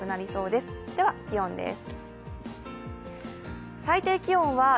では気温です。